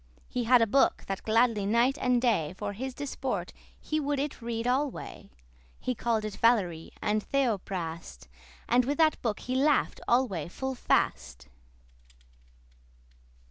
He had a book, that gladly night and day For his disport he would it read alway; He call'd it Valerie,<28> and Theophrast, And with that book he laugh'd alway full fast.